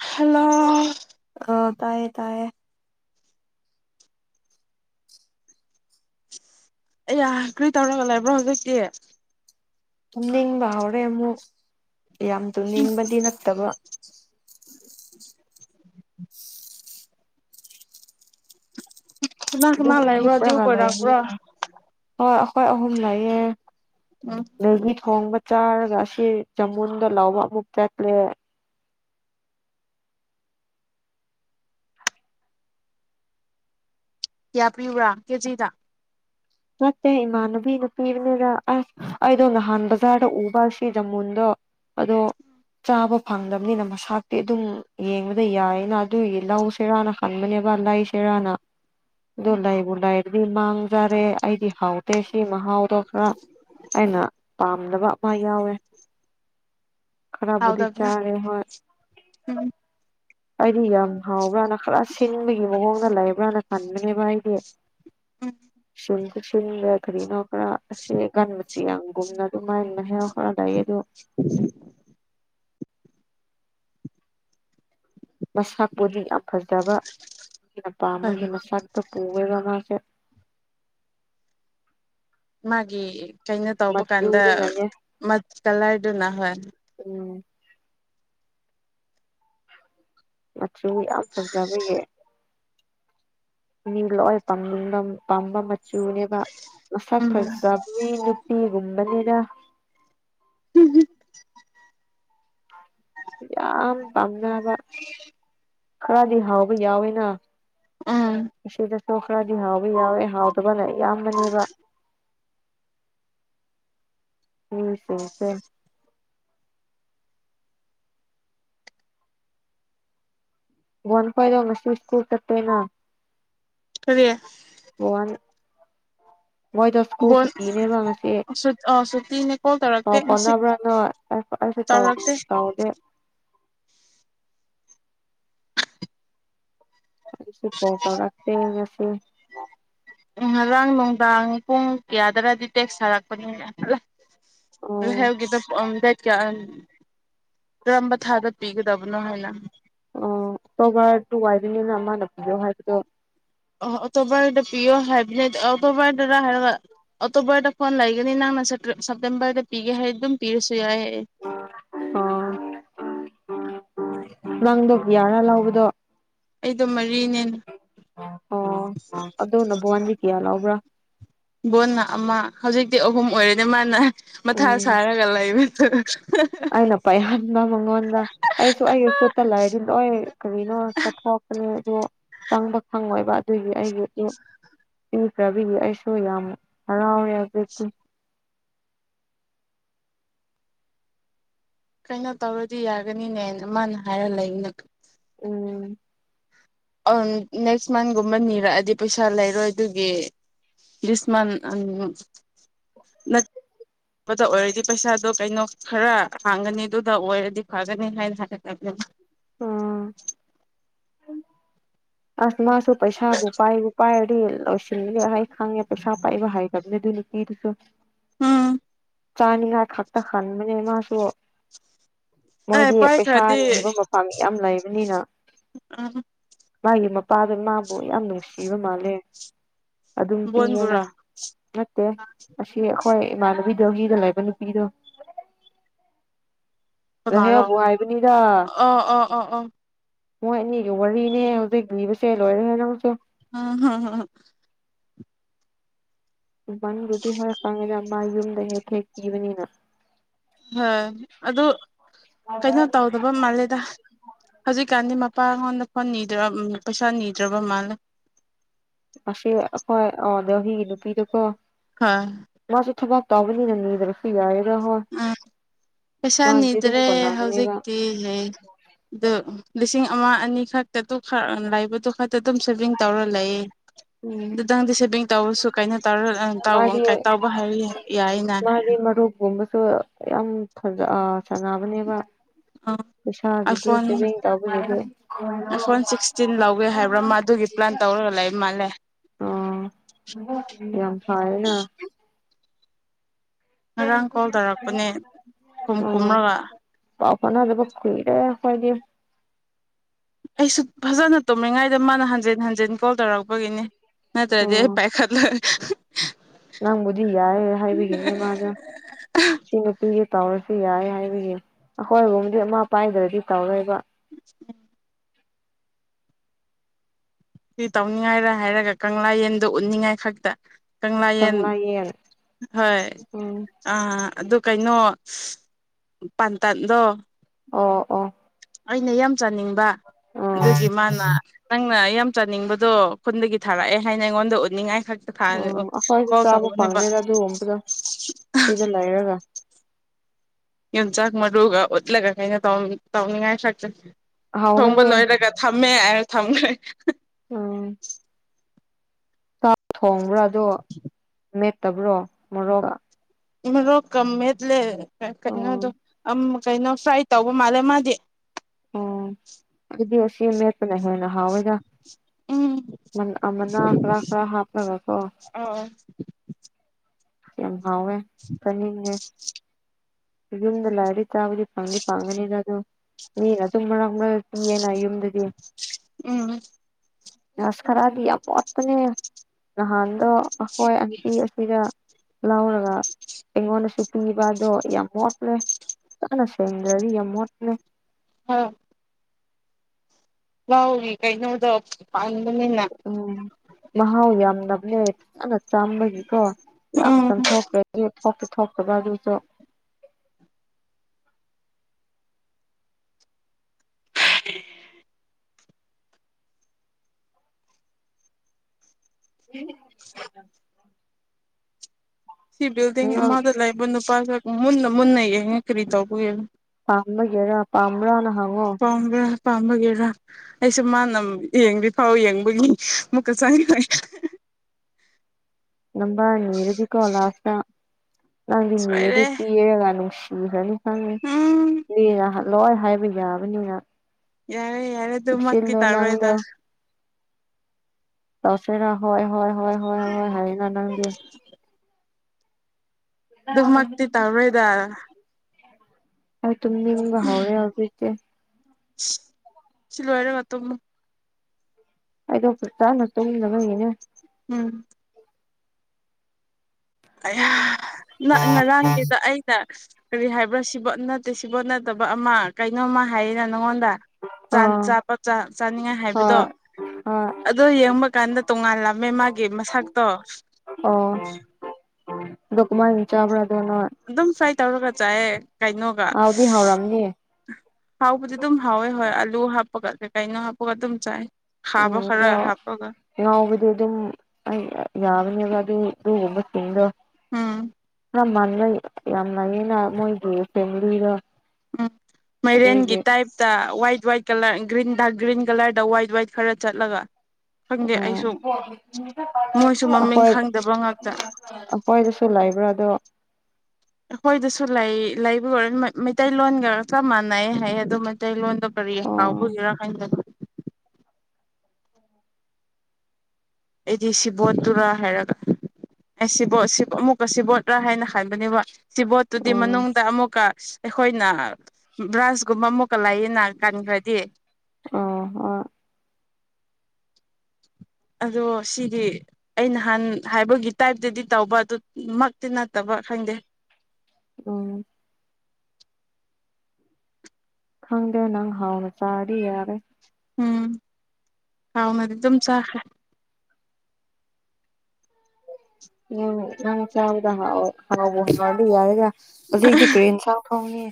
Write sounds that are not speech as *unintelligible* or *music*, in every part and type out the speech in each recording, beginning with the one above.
Hello ꯑꯥ ꯇꯥꯏꯌꯦ ꯇꯥꯏꯌꯦ ꯑꯩꯌꯥ ꯀꯔꯤ ꯇꯧꯔꯒ ꯂꯩꯕ꯭ꯔꯣ ꯍꯧꯖꯤꯛꯇꯤ ꯨꯇꯨꯝꯅꯤꯡꯕ ꯍꯧꯔꯦ ꯑꯃꯨꯛ ꯌꯥꯝ ꯇꯨꯝꯅꯤꯡꯕꯗꯤ ꯅꯠꯇꯕ ꯀꯅꯥ ꯗꯝ ꯀꯅꯥ ꯂꯩꯕ꯭ꯔꯣ ꯑꯗꯨ ꯍꯦꯞꯄꯒ ꯂꯩꯕꯅꯤ ꯀꯣꯏꯔꯛꯄ꯭ꯔꯣ ꯍꯣꯏ ꯑꯩꯈꯣꯏ ꯑꯍꯨꯝ ꯂꯩꯌꯦ ꯎꯝ ꯊꯣꯡꯕ ꯆꯥꯔꯒ ꯑꯥꯁꯤ ꯖꯃꯨꯟꯗ ꯂꯥꯎꯕ ꯑꯃꯨꯛ ꯆꯠꯂꯦ ꯀꯌꯥ ꯄꯤꯕꯔꯥ ꯀꯦꯖꯤ ꯗ ꯅꯠꯇꯦ ꯏꯃꯥꯟꯅꯕꯤꯅ ꯄꯤꯕꯅꯤꯅ ꯑꯁ ꯑꯩꯗꯣ ꯅꯍꯥꯟ ꯕꯖꯥꯔꯗ ꯎꯕ ꯁꯤ ꯖꯃꯨꯟꯗꯣ ꯑꯗꯣ ꯆꯥꯕ ꯐꯪꯗꯕꯅꯤꯅ ꯃꯁꯥꯇꯤ ꯑꯗꯨꯝ ꯌꯦꯡꯕꯗꯤ ꯌꯥꯏꯅ ꯑꯗꯨꯒꯤ ꯂꯧꯁꯤꯔꯥꯅ ꯈꯟꯕꯅꯦꯕ ꯂꯩꯁꯤꯔꯥꯅꯥ ꯑꯗꯣ ꯎꯝ ꯂꯩꯕꯨ ꯂꯩꯔ꯭ꯗꯤ ꯃꯪꯖꯔꯦ ꯑꯩꯗꯤ ꯍꯥꯎꯇꯦ ꯁꯤ ꯃꯍꯥꯎꯗꯣ ꯈꯔ ꯑꯩꯅ ꯄꯥꯝꯗꯕ ꯑꯃ ꯌꯥꯎꯋꯦ ꯈꯔꯕꯨꯗꯤ ꯍꯥꯎꯗꯕꯅꯦ ꯆꯥꯔꯦ ꯍꯣꯏ ꯍꯨꯝꯝꯝ ꯗꯤ ꯌꯥꯝ ꯍꯥꯎꯕ꯭ꯔꯅ ꯈꯔ ꯁꯤꯟꯕꯒꯤ ꯃꯑꯣꯡꯗ ꯂꯩꯕ꯭ꯔꯅ ꯈꯟꯕꯅꯦꯕ ꯑꯩꯗꯤ ꯎꯝ ꯆꯨꯝ ꯀꯆꯟꯗ ꯀꯔꯤꯅꯣ ꯈꯔ ꯑꯁꯤꯦꯒꯟꯕꯁꯦ ꯌꯥꯝꯒꯨꯝꯅ ꯑꯗꯨꯃꯥꯏꯅ ꯍꯦꯛ ꯈꯔ ꯂꯏ ꯑꯗꯣ *inaudible* ꯎꯝ *inaudible* ꯃꯁꯛꯄꯨꯗꯤ ꯌꯥꯝ ꯐꯖꯕ ꯑꯩꯅꯥ ꯍꯣꯏ ꯄꯥꯥꯝꯕꯒꯤ ꯃꯁꯛꯇ ꯄꯨꯕ ꯃꯥꯁꯦ ꯃꯥꯒꯤ ꯀꯩꯅꯣ ꯇꯧꯕ ꯀꯥꯟꯗ ꯃꯆꯨꯗꯨꯅꯅꯦ ꯀꯂꯔꯗꯨ ꯍꯣꯢ ꯎꯝ ꯇꯨ ꯌꯥꯝ ꯐꯖꯕꯒꯤ ꯃꯤ ꯂꯣꯏ ꯄꯥꯝꯅꯤꯡꯕ ꯄꯥꯝꯕ ꯃꯆꯨꯅꯦꯕ ꯃꯁꯛ ꯎꯝ ꯐꯖꯕ ꯃꯤ ꯅꯨꯄꯤꯒꯨꯝꯕꯅꯦꯗ ꯌꯥꯝ ꯄꯝꯅ ꯎꯝ *inaudible* ꯈꯔꯗꯤ ꯍꯥꯎꯕ ꯌꯥꯎꯋꯦꯅ ꯎꯝ ꯁꯤꯗꯁꯨ ꯈꯔꯗꯤ ꯍꯥꯎꯕ ꯌꯥꯎꯋꯦ ꯍꯥꯎ ꯌꯥꯝꯕꯅꯦꯕ ꯎꯝ ꯃꯤꯁꯤꯡꯁꯦ ꯋꯥꯟ *inaudible* ꯐꯥꯏꯗ ꯉꯁꯤ ꯁꯀ꯭ꯨꯜ ꯆꯠꯇꯦꯅ ꯀꯔꯤꯦ ꯃꯣꯏ ꯇꯁ ꯀꯧ ꯁꯇꯅꯦꯕꯁꯦ ꯁꯨꯇꯤꯅꯦ ꯀꯣꯜ ꯑ ꯇꯧꯔꯛꯇꯦ ꯉꯁꯤ ꯄꯅꯥꯕ꯭ꯔꯥꯅ ꯇ ꯑꯩꯁꯨ ꯇ ꯇꯧꯔꯛꯇꯦ ꯇꯧꯗꯦ *unintelligible* ꯄꯣ ꯇꯔꯇ ꯉꯁ ꯎꯝ ꯉꯔꯥꯡ ꯅꯨꯡꯗꯥꯡ ꯄꯨꯡ ꯀꯌꯥꯗꯔꯗꯤ ꯇꯦꯛꯁ ꯊꯥꯔꯛꯄꯅꯤ ꯎꯝ ꯂꯩꯒꯤꯗ ꯀ ꯇꯔꯝꯝꯕ ꯊꯥꯗ ꯄꯤꯒꯗꯕꯅꯣ ꯍꯥꯏꯅ ꯑꯣ ꯇꯣꯕꯥꯗꯨ ꯋꯥꯏꯔꯤꯅꯤꯅ ꯑꯃꯅ ꯄꯤꯌꯣ ꯍꯥꯏꯕꯗꯣ ꯑ ꯑꯇꯣꯞꯄꯣꯏꯗ ꯄꯤꯌꯣ ꯍꯥꯏꯕꯅꯤ ꯑꯇꯣꯞꯄꯣꯏꯗ ꯍꯥꯏꯔꯒ ꯑꯇꯣꯄꯣꯏꯗ ꯐꯣꯟ ꯂꯩꯒꯅꯤ ꯅꯪ ꯁꯦꯞꯇꯦꯝꯝꯕꯔꯗ ꯄꯤꯒ ꯍꯥꯏ ꯑꯗꯨ ꯄꯤꯔꯁ ꯌꯥꯏꯌꯦ꯫ ꯑꯣ ꯅꯪꯗꯣ ꯌꯥꯔꯥ ꯂꯕꯗꯣ ꯑꯩꯗꯣ ꯃꯔꯤꯅꯦ ꯑꯣ ꯑꯗꯣꯅꯚꯟꯕꯤ ꯀꯌꯥ ꯂꯥꯎꯕ꯭ꯔꯥ ꯕꯣꯟꯅ ꯑꯃ ꯍꯧꯖꯤꯛꯇꯤ ꯑꯍꯨꯝ ꯑꯣꯏꯔꯅꯤ ꯃꯥꯅ ꯃꯊꯥ ꯎꯝ ꯁꯥꯔꯒ ꯂꯩꯕꯗ ꯑꯩꯅ ꯄꯥꯏꯍꯟꯕ ꯃꯉꯣꯟꯗ ꯑꯩꯁꯨ ꯑꯩꯒꯤ ꯈꯨꯠꯇ ꯂꯥꯏꯔꯤ ꯂꯣꯏ ꯀꯔꯤꯅꯣ ꯆꯠꯊꯣꯛ ꯗꯣ ꯆꯪꯕ ꯈꯪꯉꯣꯏꯕ ꯑꯗꯨꯒꯤ ꯑꯩꯒꯤ ꯔꯕꯤꯒꯤ ꯑꯩꯁꯨ ꯌꯥꯝ ꯍꯔꯥꯎꯔꯦ ꯍꯧꯦꯛꯇ ꯀꯩꯅꯣ ꯇꯧꯔꯗꯤ ꯌꯥꯒꯅꯤꯅꯦ ꯃꯥꯅ ꯍꯥꯏꯔ ꯂꯩꯅ ꯎꯝ ꯑ ꯅꯦꯛꯁ ꯃꯟꯒꯨꯝꯕ ꯅꯤꯔꯛꯑꯗꯤ ꯄꯩꯁꯥ ꯂꯩꯔꯣꯏ ꯑꯗꯨꯒꯤ ꯌꯁꯃꯥꯟ ꯑ ꯅ ꯑꯗꯨꯗ ꯑꯣꯏꯔꯗꯤ ꯄꯩꯁꯥꯗꯣ ꯀꯩꯅꯣ ꯈꯔ ꯍꯥꯡꯒꯅꯤ ꯑꯗꯨꯗ ꯑꯣꯏꯔꯗꯤ ꯐꯒꯅꯤ ꯍꯥꯏꯅ ꯍꯥꯏꯒꯕꯅꯤ ꯑ ꯑꯁ ꯃꯥꯁꯨ ꯄꯩꯁꯥꯕꯨ ꯄꯥꯏꯕꯨ ꯄꯥꯏꯔꯗꯤ ꯂꯣꯏꯁꯤꯟꯦ ꯑꯩ ꯈꯪꯉꯦ ꯄꯩꯁꯥ ꯄꯥꯏꯕ ꯍꯥꯏꯗꯕꯅꯤ ꯑꯗꯨꯅꯤ ꯑꯦꯔꯤꯁꯨꯣ ꯎꯝ ꯆꯥꯅꯤꯉꯥꯏ ꯈꯥꯛꯛꯇ ꯈꯥꯟꯕꯅꯦ ꯃꯥꯁꯨ ꯑꯦ ꯃꯣꯏꯗꯤ ꯄꯩꯁꯥ ꯄꯥꯏꯈ꯭ꯔꯗꯤ ꯅꯤꯕ ꯃꯄꯥꯝ ꯌꯥꯝ ꯂꯩꯕꯅꯤꯅ ꯎꯝ ꯃꯥꯒꯤ ꯃꯄꯥꯗ ꯃꯥꯕꯨ ꯌꯥꯝ ꯅꯨꯡꯁꯤꯕ ꯃꯥꯜꯂꯦ ꯑꯗꯨꯝ ꯄꯤꯌꯦꯅ ꯕꯣꯟꯕꯨꯔꯥ ꯅꯠꯇꯦ ꯑꯁꯤ ꯍꯣꯏ ꯏꯃꯥꯟꯅꯕꯤꯗꯨꯒꯤꯒ ꯂꯩꯕ ꯅꯨꯄꯤꯗꯣ ꯔ ꯍꯦ ꯀꯅꯥꯔꯣ ꯉꯥꯏꯕꯅꯤꯗ ꯑꯣ ꯑꯣ ꯑꯣ ꯑꯣ ꯃꯣꯏ ꯑꯅꯤꯁꯨ ꯋꯥꯔꯤꯅꯦ ꯍꯧꯖꯤꯛ ꯂꯤꯕꯁꯦ ꯂꯣꯏꯔꯦ ꯅꯪꯁꯨ ꯑꯝ ꯍꯝꯝ ꯕꯟꯕꯨꯗꯤ ꯍꯣꯏ ꯈꯪꯉꯤꯗ ꯃꯥ ꯌꯨꯝꯗ ꯍꯦꯛ ꯍꯦꯛ ꯀꯤꯕꯅꯤꯅ ꯍꯣꯏ ꯑꯗꯨ ꯀꯩꯅꯣ ꯇꯧꯗꯕ ꯃꯥꯜꯂꯦꯗ ꯍꯧꯖꯤꯛꯀꯥꯟꯗꯤ ꯅꯨꯄꯥ ꯑꯩꯉꯣꯟꯗ ꯐꯣꯟ ꯅꯤꯗ꯭ꯔ ꯄꯩꯁꯥ ꯅꯤꯗ꯭ꯔꯕ ꯃꯥꯜꯂꯦ ꯃꯥꯁꯤ ꯑꯩꯈꯣꯏ ꯑꯗꯍꯤ ꯅꯨꯄꯤꯗꯨꯀꯣ ꯍꯣꯏ ꯃꯥꯁꯤ ꯊꯕꯥꯛ ꯇꯕꯅꯤ ꯅꯅꯤꯗꯔꯁꯤ ꯌꯥꯌꯦ ꯑ ꯑꯗꯨꯝ ꯄꯩꯁꯥꯅꯤꯗ꯭ꯔꯦ ꯀꯣꯟꯅꯒꯅꯦꯕ ꯍꯧꯖꯤꯛꯇꯤ ꯂꯩ ꯑꯗꯨ ꯂꯤꯁꯤꯡ ꯑꯃ ꯑꯅꯤ ꯈꯛꯇ ꯑꯗꯨ ꯂꯥꯏꯕꯗꯨ ꯈꯛꯇ ꯑꯗꯨꯝ ꯁꯦꯚꯤꯡ ꯇꯧꯔ ꯂꯩ ꯎꯝ ꯑꯗꯨꯇꯪꯗꯤ ꯁꯦꯚꯤꯡ ꯇꯧꯔꯁꯨ ꯀꯥꯏꯩꯅꯣ ꯇꯧꯔ ꯃꯥꯗꯤ ꯇ ꯍꯥꯏ ꯌꯥꯏꯌꯦꯅ ꯍꯥꯏ ꯁꯨ ꯌꯥꯝꯖ ꯁꯥꯟꯅꯕꯅꯦꯕ ꯑ ꯑ ꯄꯩꯁꯥꯒꯤꯗꯤ ꯁꯦꯚꯤꯡ ꯇꯧꯕꯒꯤꯗꯤ ꯐ ꯁꯤꯛꯇꯤꯟ ꯂꯧꯋꯦ ꯍꯥꯏꯕ꯭ꯔ ꯑꯗꯨ ꯄ꯭ꯂꯥꯟ ꯇꯧꯔꯔꯂ ꯏ ꯃꯂꯦ ꯑ ꯌꯥꯝ ꯐꯑꯅ ꯉꯔꯥꯡ ꯀꯣꯜ ꯇꯧꯔꯛꯄꯅꯦ ꯈꯨꯝ ꯈꯨꯝꯔꯒ ꯑꯣ ꯅꯥꯗꯕ ꯀꯏꯔꯦ ꯈꯣꯏꯗ ꯑꯩꯁꯨ ꯐꯖꯅ ꯇꯨꯝꯃꯤꯉꯩꯗ ꯃꯥꯅ ꯍꯟꯖꯤꯟ ꯍꯟꯖꯤꯟ ꯀꯣꯜ ꯇꯧꯔꯛꯄꯒꯤꯅꯤ ꯅꯠꯇ꯭ꯔ ꯑꯗꯨꯦ ꯑꯣ ꯄꯥꯏ ꯈꯠꯂ ꯅꯪꯕꯨꯗꯤ ꯌꯥꯏꯦ ꯍꯥꯏꯕꯤꯒꯦꯅꯦ ꯃꯥꯒ ꯁꯤ ꯄ ꯇꯧꯔꯁꯨ ꯌꯥꯏ ꯍꯥꯏꯕ ꯌꯦꯡ ꯑꯩꯈꯣꯏꯕꯝꯗꯤ ꯑꯃꯥ ꯄꯥꯏꯗ꯭ꯔꯗꯤ ꯇꯧꯔꯣꯏꯕ ꯎ ꯎꯝ ꯁꯤ ꯇꯧꯅꯤꯡꯉꯥꯏꯔ ꯍꯥꯏꯔꯒ ꯀꯪꯂꯥ ꯌꯦꯟꯗꯣ ꯎꯠꯅꯤꯡꯉꯥꯏ ꯈꯛꯇ ꯀꯪꯂꯥꯌꯦꯟ ꯀꯪꯂꯥ ꯌꯦꯟ ꯍꯣꯏ ꯎꯝ ꯑꯗꯨ ꯀꯩꯅꯣ ꯄꯥꯟꯇꯟꯗꯣ ꯑꯣ ꯑꯣ ꯑꯩꯅ ꯌꯥꯝ ꯆꯥꯅꯤꯡꯕ ꯑꯥ ꯑꯗꯨꯒꯤ ꯃꯥꯅ ꯅꯪꯅ ꯌꯥꯝ ꯆꯥꯅꯤꯡꯕꯗꯣ ꯈꯨꯟꯗꯒꯤ ꯊꯥꯔꯛꯑꯦ ꯍꯥꯏꯅ ꯑꯩꯉꯣꯟꯗ ꯎꯠꯅꯤꯡꯉꯥꯏ ꯊꯛꯇ ꯊꯥꯏꯔꯦ ꯎꯝ ꯑꯣ ꯑꯩꯈꯣꯏꯁꯨ ꯀꯣ ꯆꯥꯕ ꯇꯔꯅꯦꯕ ꯐꯪꯗꯦꯗ ꯑꯗꯨꯒꯨꯝꯕꯗꯣ *unintelligible* ꯁꯤꯗ ꯂꯩꯔꯒ ꯌ ꯆꯥꯛ ꯃ ꯔꯣꯒ ꯑꯣꯠꯂ ꯀ ꯀꯥꯏꯅ ꯇꯧ ꯇꯧꯅꯤꯡꯉꯥꯏ ꯁ ꯊꯣꯡꯕ ꯍꯥꯎꯒꯅꯤ ꯂꯣꯏꯔꯒ ꯊꯝꯃꯦ ꯑꯅ ꯊꯝꯈ꯭ꯔꯦ ꯎꯝ ꯊꯣꯡꯕ꯭ꯔꯥꯗꯣ ꯃꯦꯠꯇꯕ꯭ꯔꯣ ꯃꯣꯔꯣꯛꯒ ꯣꯝꯃꯦꯗ ꯂꯩ ꯑꯣ ꯀꯩꯅꯩꯅꯗ ꯀꯩꯅꯣ ꯐ꯭ꯔꯥꯏ ꯇꯧꯕ ꯃꯥꯜꯂꯦ ꯃꯥꯗꯤ ꯑꯣ ꯀꯗꯤ ꯑꯁꯤꯁꯤ ꯃꯛꯇꯅ ꯍꯅ ꯍꯥꯥ ꯑꯣꯏꯋꯖ ꯎꯝ ꯃ ꯃꯅ ꯑꯈꯔ ꯑꯈꯔ ꯍꯥꯄꯔꯀꯣ ꯑꯥ ꯍꯦ ꯐꯅꯤꯅꯤꯡꯒ ꯌꯨꯝꯗ ꯂꯗꯤ ꯇꯥꯕꯗꯤ ꯄꯪ ꯄꯉꯅꯤꯗ ꯑꯗꯨꯝ ꯃꯤ ꯑ ꯑꯗꯨꯝ ꯃ ꯎꯝ ꯅꯔꯁ ꯈꯔꯗꯤ ꯌꯥꯝ ꯋꯥꯠꯄꯅꯦ ꯅꯍꯥꯟꯗꯣ ꯑꯩꯈꯣꯏ ꯑꯟꯇꯤ ꯑꯁꯤꯗ ꯂꯥꯎꯒ ꯇꯉꯣꯣꯟꯅꯁꯨ ꯄꯤꯕ ꯑꯗꯨꯣ ꯌꯥꯝ ꯃꯣꯠꯂꯦ ꯀꯅ ꯁꯗ꯭ꯔꯔꯤ ꯌꯥꯝ ꯃꯣꯠꯂꯦ ꯑꯥ ꯂꯎꯒꯤ ꯀꯩ ꯅꯗ ꯎꯝ ꯃꯍꯥꯎ ꯌꯥꯝ ꯅꯝꯅꯦ ꯑꯣꯏ ꯌꯥꯝꯅ ꯆꯥꯝꯕꯒꯤꯀꯣ ꯌꯥꯝ ꯎꯝ ꯆꯝꯊꯣꯛꯄ꯭ꯔꯦ ꯊꯀꯗꯥ ꯑꯗꯨ ꯆ *unintelligible* ꯎꯝ ꯁꯤ ꯕꯤꯜꯗꯤꯡ ꯑꯃꯗ ꯂꯩꯕ ꯅꯨꯄꯥꯒ ꯃꯨꯟꯅ ꯃꯨꯟꯅ ꯌꯦꯡꯉ ꯀꯔꯤ ꯇꯧꯕꯒ ꯄꯝꯕ ꯀꯦꯔ ꯄꯥꯝꯕꯔꯅ ꯍꯥꯡꯉꯣ ꯄꯥꯝꯕꯒꯤꯦꯔꯥ ꯑꯩꯁꯨ ꯃꯥꯅ ꯌꯦꯡꯗ ꯐꯥꯎ ꯌꯦꯡꯕꯒꯤ ꯃꯨꯛꯀ ꯆꯪꯉ *unintelligible* ꯅꯝꯕ ꯅꯔꯗꯤꯀꯣ ꯂꯥꯥꯁꯗꯗꯤ ꯁꯣꯏꯔꯦ ꯅꯔꯇꯦ ꯀꯤꯈ꯭ꯔꯅꯤ ꯈꯪꯉꯤ ꯎꯝ ꯅꯅ ꯂꯣꯏ ꯍꯥꯏꯕ ꯌꯥꯕꯅꯤꯅ ꯌꯥꯔꯦ ꯌꯥꯔꯦ ꯑꯗꯨꯃ ꯀꯤ ꯆꯦꯛꯁꯤꯜꯂꯣ ꯇꯔꯋꯥꯣꯏꯗ ꯅꯪꯗꯣ ꯇꯁꯦꯔ ꯍꯣꯏ ꯍꯣꯏ ꯍꯣꯏ ꯍꯣꯏ ꯍꯣꯏ ꯍꯥꯏꯅꯥ ꯅꯪꯦ ꯑꯗꯨꯃꯛꯇꯤ ꯇꯧꯔꯣꯏꯗ ꯑ ꯇꯨꯝ ꯍꯥꯎꯅꯦꯦ ꯑꯕꯦ ꯁꯤꯂꯋꯥꯔ ꯄꯠꯇꯕ ꯑꯩꯗꯣ ꯄꯨ ꯆꯥ ꯅ ꯇꯨꯡꯗꯅꯣꯏꯒꯅꯦ ꯎꯝ ꯉꯔꯥꯡꯒꯤꯗꯣ ꯑꯩꯅ ꯀꯔꯤ ꯍꯥꯏꯕ꯭ꯔꯥ ꯁꯤꯕꯣꯠ ꯅꯠꯇꯦ ꯁꯤꯕꯣꯠ ꯅꯠꯇꯕ ꯑꯃ ꯀꯩꯅꯣꯝꯃ ꯍꯥꯏꯔꯤꯅ ꯅꯪꯉꯣꯟꯗ ꯑꯥ ꯆꯥꯅꯤꯡꯉꯥꯏ ꯍꯥꯏꯕꯗꯣ ꯍꯣꯏ ꯍꯣꯏ ꯑꯣ ꯌꯦꯡꯕ ꯀꯥꯟꯗ ꯇꯣꯡꯉꯥꯜꯂꯝꯃꯦ ꯃꯥꯒꯤ ꯃꯁꯛꯇꯣ ꯗꯗꯨ ꯀꯃꯥꯏꯅ ꯆꯥꯕ ꯑꯗꯨꯝ ꯐ꯭ꯔꯥꯏ ꯇꯧꯔꯒ ꯆꯥꯏꯑꯦ ꯀꯩꯅꯣꯒ ꯍꯥꯎꯗꯤ ꯍꯥꯎꯔꯝꯅꯤ ꯍꯥꯎꯕꯗꯤ ꯑꯗꯨꯝ ꯍꯥꯎꯋꯦ ꯍꯣꯏ ꯑꯂꯨ ꯍꯥꯞꯄꯒ ꯀꯩꯀꯩꯅꯣ ꯍꯥꯞꯄꯒ ꯑꯗꯨꯝ ꯆꯥꯏ ꯎꯝ ꯈꯥꯕ ꯈꯔ ꯑꯗꯣ ꯍꯥꯞꯄꯒ ꯉꯥꯎꯕꯗꯤ ꯑꯗꯨꯝ ꯑꯩ ꯌꯥꯕꯅꯦꯕ ꯑꯗꯨꯕ ꯇꯗꯣ ꯑꯝ ꯌꯥꯝ ꯃꯜꯂ ꯌꯥꯝ ꯂꯩꯌꯦꯩꯅ ꯃꯣꯏꯒꯤ ꯐꯦꯃꯤꯂꯤꯗ ꯎꯝ ꯃꯥꯏꯔꯦꯟꯒꯤ ꯇꯥꯏꯞꯇ ꯋꯥꯏꯠ ꯋꯥꯏꯠ ꯀꯂꯔ ꯒ꯭ꯔꯤꯟ ꯗ ꯒ꯭ꯔꯤꯟ ꯀꯂꯔꯗ ꯋꯥꯏꯠ ꯋꯥꯏꯠ ꯈꯔ ꯆꯠꯂꯒ ꯈꯪꯗꯦ ꯑꯩꯁꯨ ꯃꯣꯏꯁꯨ ꯑꯣ ꯃꯃꯤꯡ ꯍꯣꯏ ꯈꯪꯗꯕ ꯉꯥꯛꯇ ꯄꯣꯏꯗꯁꯨ ꯂꯩꯥꯛꯏꯕ꯭ꯔꯣ ꯑꯗꯣ ꯑꯩꯈꯣꯏꯗꯨꯁꯨ ꯂꯩ ꯂꯩꯕꯔ ꯃꯩꯇꯩꯂꯣꯟꯒ ꯆꯞ ꯃꯥꯟꯅꯩ ꯍꯥꯏ ꯑꯗꯣ ꯃꯩꯇꯩꯂꯣꯟꯗꯣ ꯔꯤ ꯑꯣ ꯀꯥꯎꯕꯨꯖꯤꯔ ꯍꯥꯏꯗ ꯑꯩꯗꯤ ꯁꯤꯕꯣꯇꯨꯔꯥ ꯍꯥꯏꯔꯒ ꯑꯩ ꯁꯤꯕꯣꯠ ꯁꯤ ꯑꯃꯨꯛꯀ ꯁꯤꯕꯣꯠꯔꯥ ꯍꯥꯏꯅ ꯍꯥꯏꯕꯅꯦꯕ ꯁꯤꯕꯣꯠꯇꯨꯗꯤ ꯎꯝ ꯃꯅꯨꯡꯗ ꯑꯃꯨꯛꯀ ꯑꯩꯈꯣꯏꯅ ꯕ꯭ꯔꯥꯟꯁꯒꯨꯝꯕ ꯑꯃꯨꯛꯀ ꯂꯌꯦꯅ ꯀꯟꯈ꯭ꯔꯗꯤ ꯑ ꯑ ꯑꯗꯣ ꯁꯤꯗꯤ ꯑꯩ ꯅꯍꯥꯟ ꯍꯥꯏꯕꯒꯤ ꯇꯥꯏꯞꯇꯗꯤ ꯇꯧꯕ ꯑꯗꯨꯃꯛꯇꯤ ꯅꯠꯇꯕ ꯈꯪꯗꯦ ꯎꯝ ꯈꯪꯗꯦ ꯅꯪ ꯍꯥꯎꯅ ꯆꯔꯤ ꯌꯥꯔꯦ ꯎꯝ ꯍꯥꯎꯅꯗꯤ ꯑꯗꯨꯝ ꯆꯥꯈ꯭ꯔꯦ ꯎ ꯅꯪ ꯀꯗ ꯍꯥꯎ ꯍ ꯌꯥꯔꯒ ꯑꯣꯗꯗꯤ ꯄ꯭ꯔꯤꯟꯁꯥ ꯊꯣꯡꯅꯤ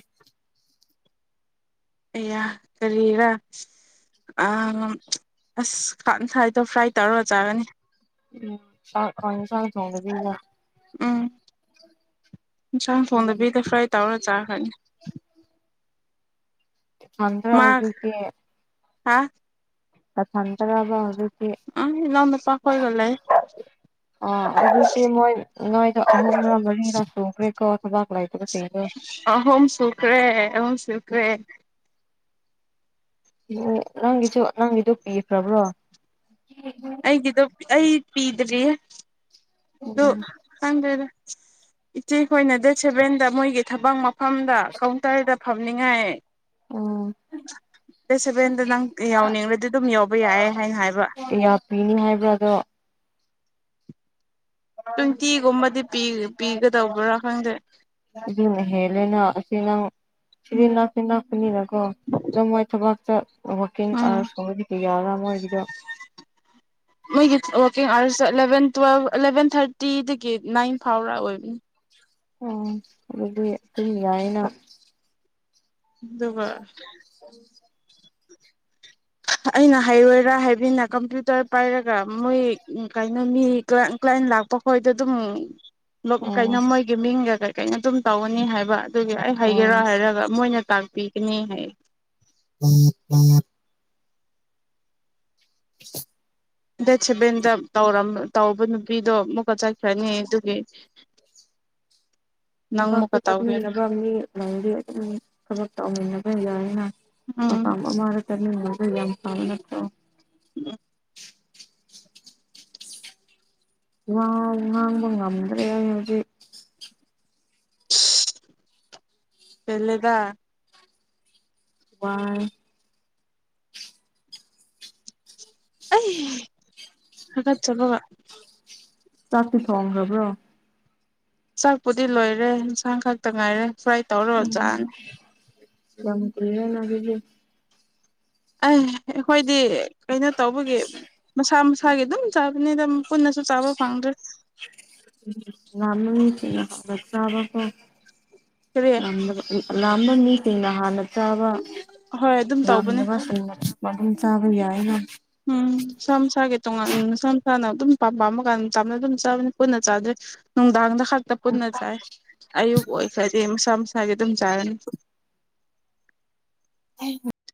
ꯑꯦꯌꯥ ꯀꯔꯤꯔ ꯑ ꯑꯁ ꯈꯁꯥꯏꯗꯣ ꯐ꯭ꯔꯥꯏ ꯇꯧꯔꯒ ꯆꯥꯒꯅꯤ ꯎꯝ ꯀ ꯆ ꯊꯣꯡꯗꯤꯂ ꯎꯝ ꯏꯟꯁꯥꯡ ꯎꯝ ꯊꯣꯡꯗꯕꯤꯗ ꯐ꯭ꯔꯥꯏ ꯇꯧꯔ ꯆꯥꯈꯅꯤ ꯆꯗ꯭ꯔ ꯍꯧꯗꯤ ꯍꯥ ꯇꯊꯇꯔꯕ ꯑ ꯏ ꯂꯗ ꯄꯒ ꯂꯦ ꯑ ꯑꯗꯨꯖꯤꯛꯇꯤ ꯃꯣꯏ ꯅꯣꯏꯗ ꯑꯍꯨꯝꯔꯥ ꯃꯔꯤꯔꯥ ꯁꯨꯈ꯭ꯔꯦꯀꯣ ꯊꯕꯥꯛ ꯂꯥꯏꯇꯁꯤꯡꯗꯣ ꯑꯍꯣꯝ ꯁꯨꯈ꯭ꯔꯦ ꯑꯍꯝ ꯁꯨꯈ꯭ꯔꯦ ꯑꯣ ꯅꯪꯒꯤꯁꯨ ꯅꯪꯒꯤꯗ ꯄꯤꯈ꯭ꯔꯕ꯭ꯔꯣ ꯑꯩꯒꯤꯗꯣ ꯑꯩ ꯄꯤꯗ꯭ꯔꯤꯌꯦ ꯑꯣ ꯈꯪꯗ꯭ꯔꯦꯗ ꯏꯆꯦꯈꯣꯏꯅ ꯗꯦꯠ ꯁꯦꯕꯦꯟꯗ ꯃꯣꯏꯒꯤ ꯊꯕꯛ ꯃꯐꯝꯗ ꯀꯥꯎꯟꯇꯔꯗ ꯐꯝꯅꯤꯡꯉꯥꯏ ꯎꯝ ꯗꯦꯠ ꯁꯚꯦꯟꯗ ꯅꯪ ꯌꯥꯎꯅꯤꯡꯔꯗꯤ ꯑꯗꯨꯝ ꯌꯥꯎꯕ ꯌꯥꯏ ꯍꯥꯏꯅ ꯍꯥꯏꯕ ꯄꯅꯤ ꯍꯥꯏꯕ꯭ꯔ ꯑꯗꯣ ꯇ꯭ꯋꯦꯟꯇꯤꯒꯨꯝꯕꯗꯤ ꯄꯤꯒꯗꯧꯕ꯭ꯔꯥ ꯈꯪꯗ꯭ꯔꯦ ꯑꯗꯨ ꯍꯦꯂꯅ ꯑꯁꯤ ꯅꯪ ꯁꯤ ꯎꯝ ꯂꯅꯥꯅꯥꯨꯅꯤꯅꯀꯣ ꯑꯗꯨꯝ ꯃꯣꯏ ꯊꯕꯛ ꯋꯥꯀꯤꯡ ꯎꯝ ꯑꯥꯋꯥꯔꯁ ꯐꯒꯤꯗꯤ ꯌꯥꯔꯥ ꯑꯃ ꯑꯣꯏꯒꯤꯗꯣ ꯑꯣꯀꯤꯡ ꯑꯥꯔꯁ ꯑꯦꯂꯚꯦꯟ ꯇꯨꯋꯦꯜ ꯑꯦꯂꯚꯦꯟ ꯊꯥꯔꯇꯤꯗꯒꯤ ꯅꯥꯏꯟ ꯐꯥꯎꯔ ꯑꯣꯏꯕꯅꯤ ꯎ ꯑꯗꯨꯗꯤ ꯑꯗꯨꯝ ꯌꯥꯏꯅ ꯗꯨꯕꯔ ꯍ ꯑꯩꯅ ꯍꯩꯔꯣꯏꯔꯥ ꯍꯥꯏꯕꯤꯅ ꯀꯝꯄ꯭ꯌꯨꯇꯔ ꯄꯥꯏꯔꯒ ꯃꯣꯏ ꯀꯩꯅꯣ ꯃꯤ ꯀ꯭ꯂꯥꯏꯟ ꯂꯥꯛꯄ ꯃꯈꯣꯏꯗ ꯑꯗꯨꯝ ꯑꯣ ꯀꯩꯅꯣ ꯃꯣꯏꯒꯤ ꯃꯤꯡꯒ ꯀꯩ ꯀꯩꯅꯣ ꯑꯗꯨꯝ ꯇꯧꯒꯅꯤ ꯍꯥꯏꯕ ꯑꯗꯨꯒꯤ ꯑꯩ ꯑꯣ ꯍꯥꯏꯒꯦꯔꯥ ꯍꯥꯏꯔꯒ ꯃꯣꯏꯅ ꯇꯥꯛ ꯄꯤꯒꯅꯤ ꯍꯥꯏ *unintelligible* *inaudible* ꯗꯦꯠ ꯁꯦꯚꯦꯟꯗ ꯗꯧꯔ ꯇꯧꯕ ꯅꯨꯄꯤꯗꯣ ꯃꯨꯛꯀ ꯆꯠꯈ꯭ꯔꯅꯤ ꯑꯗꯨꯒꯤ *inaudible* ꯅꯪ ꯊꯕꯛꯇꯨ ꯑꯃꯨꯛꯀ ꯇꯧꯒꯦꯔ ꯆꯠꯃꯤꯟꯅꯕ ꯃꯤ ꯂꯩꯗꯤ ꯑꯗꯨꯝ ꯊꯕꯛ ꯇꯧꯃꯤꯟꯅꯕ ꯌꯥꯏꯅ ꯎꯝ ꯃꯝꯕ ꯃꯥꯔ ꯇꯅꯤ ꯃ ꯌꯥꯝ ꯐ ꯅꯠꯇ꯭ꯔꯣ ꯉꯥꯡꯕ ꯉꯝꯗ꯭ꯔꯦ ꯑꯩꯩꯅꯗꯤ ꯄꯜꯦꯂꯦꯗ ꯋꯥ ꯑꯩ ꯍꯀꯠꯆꯕꯥ ꯆꯥꯛꯇꯤ ꯊꯣꯡꯈ꯭ꯔꯕ꯭ꯔꯣ ꯆꯥꯛꯄꯨꯗꯤ ꯂꯣꯏꯔꯦ ꯌꯦꯟꯁꯥꯡ ꯈꯛꯇ ꯉꯥꯏꯔꯦ ꯐ꯭ꯔꯥꯏ ꯇꯧꯔꯨꯔ ꯆꯅꯤ ꯌꯥꯝ ꯀꯨꯏ ꯔꯦꯅ ꯗꯨꯗꯤ꯫ ꯑꯦ ꯑꯩꯈꯣꯏꯗꯤ ꯀꯩꯅꯣ ꯇꯧꯕꯒꯤ ꯃꯁꯥ ꯃꯁꯥꯒꯤ ꯑꯗꯨꯝ ꯆꯥꯕꯅꯤ ꯑꯗꯨꯝ ꯄꯨꯟꯅ ꯆꯥꯕ ꯐꯪꯗ꯭ꯔꯦ ꯎꯝ ꯉꯥꯃꯤ ꯁꯤꯡꯅ ꯍꯟꯅꯥ ꯆꯥꯕꯥ ꯀꯦ ꯀꯔꯤ ꯉꯝ ꯗꯕ ꯑꯩ ꯑꯗꯨ ꯌꯥꯝꯕ ꯃꯤꯁꯤꯡꯅ ꯍꯥꯟꯅ ꯆꯥꯕ ꯍꯣꯏ ꯑꯗꯨꯝ ꯇꯧꯕꯅꯦ ꯌꯥꯝꯗꯕꯁꯤꯡꯅ꯫ ꯃꯅꯨꯡ ꯆꯥꯕ ꯌꯥꯏꯅ꯫ ꯎꯝ ꯃꯁꯥ ꯃꯁꯥꯒꯤ ꯫ ꯇꯣꯉꯥꯟ ꯅꯨꯡꯁꯥ ꯅꯨꯡꯁꯥꯅ ꯑꯗꯨꯝ ꯄꯥꯝꯄꯥꯝꯃ ꯀꯥꯟ ꯆꯥꯝꯅ ꯑꯗꯨꯝ ꯆꯥꯕꯅꯤ ꯄꯨꯟꯅ ꯆꯥꯗ꯭ꯔꯦ ꯅꯨꯡꯗꯥꯡꯗ ꯈꯜ꯫ ꯄꯨꯟꯅ ꯆꯥꯏ ꯑꯌꯨꯛ ꯑꯣꯏꯈ꯭ꯔꯗꯤ ꯃꯁꯥ ꯃꯁꯥꯒꯤ ꯑꯗꯨꯝ ꯆꯥꯔꯅꯤ꯫